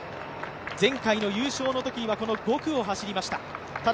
前回の優勝のときには５区を走りました。